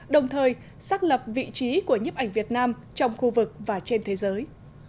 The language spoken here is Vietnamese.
đồng thời xác lập vị trí của nhếp ảnh việt nam trong khu vực và trên thế giới